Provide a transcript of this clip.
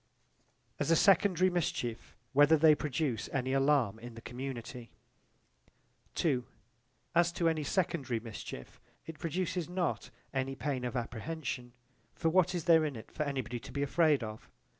As a secondary mischief whether they produce any alarm in the community As to any secondary mischief, it produces not any pain of apprehension. For what is there in it for any body to be afraid of?